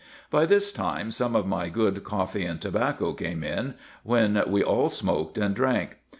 By this time some of my good coffee and tobacco came in, when we all smoked and drank.